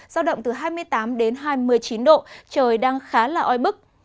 giao động từ hai mươi tám đến hai mươi chín độ trời đang khá là oi bức